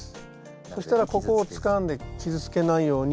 そしたらここをつかんで傷つけないように。